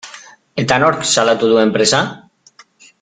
Eta nork salatu du enpresa?